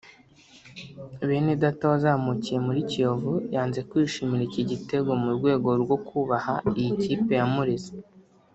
Benedata wazamukiye muri Kiyovu yanze kwishimira iki gitego mu rwego rwo kubaha iyi kipe yamureze